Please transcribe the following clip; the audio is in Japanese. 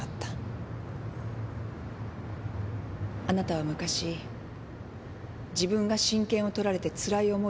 あなたは昔自分が親権を取られてつらい思いをした。